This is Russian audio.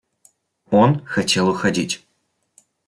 Он хотел уходить.